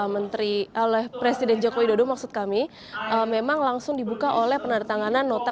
menteri oleh presiden joko widodo maksud kami memang langsung dibuka oleh penandatanganan nota